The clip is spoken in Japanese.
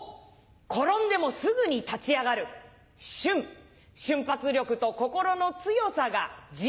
転んでもすぐに立ち上がる「しゅん」瞬発力と心の強さが「じ」